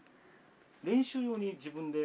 練習用に自分で？